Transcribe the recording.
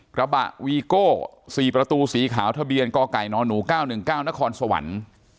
กระบะวีโก้๔ประตูสีขาวทะเบียนกไก่นหนู๙๑๙นครสวรรค์